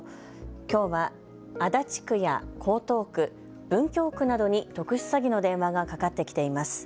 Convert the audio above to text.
きょうは、足立区や江東区、文京区などに特殊詐欺の電話がかかってきています。